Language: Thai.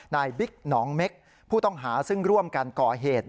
บิ๊กหนองเม็กผู้ต้องหาซึ่งร่วมกันก่อเหตุ